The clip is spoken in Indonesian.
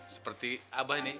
seperti abah ini